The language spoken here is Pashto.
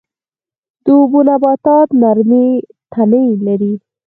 د اوبو نباتات نرمې تنې لري